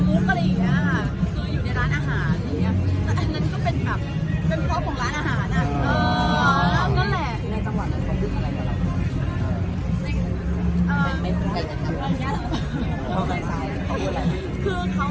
คือต้องบอกว่าจริงมันเป็นโจ๊กแบบตลกมาก